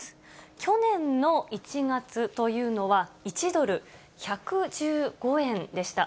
去年の１月というのは、１ドル１１５円でした。